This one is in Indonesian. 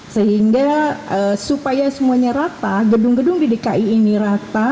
sehingga supaya semuanya rata gedung gedung di dki ini rata